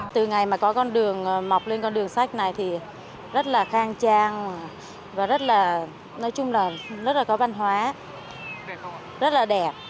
từ ngày mà có con đường mọc lên con đường sách này thì rất là khang trang và rất là nói chung là rất là có văn hóa rất là đẹp